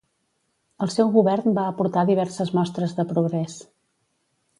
El seu govern va aportar diverses mostres de progrés.